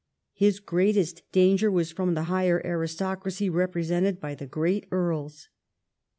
His greatest danger was from the higher aristocracy represented by the great earls.